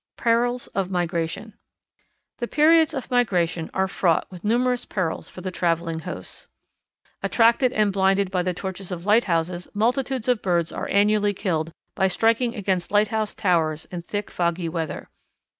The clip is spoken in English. Perils of Migration. The periods of migration are fraught with numerous perils for the travelling hosts. Attracted and blinded by the torches of lighthouses, multitudes of birds are annually killed by striking against lighthouse towers in thick, foggy weather.